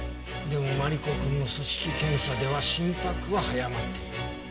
でもマリコ君の組織検査では心拍は早まっていた。